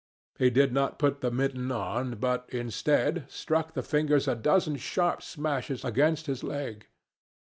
He did not put the mitten on, but, instead, struck the fingers a dozen sharp smashes against his leg.